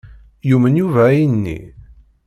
Yumen Yuba ayenni?